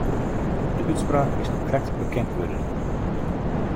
De útspraak is no krekt bekend wurden.